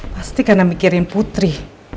pasti karena mikirin putri